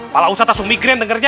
malah ustaz langsung migrain dengernya